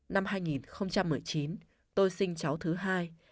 năm hai nghìn một mươi chín tôi sinh cháu thứ hai